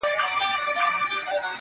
زما د اوښکي ـ اوښکي ژوند يوه حصه راوړې